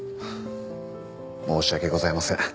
申し訳ございません。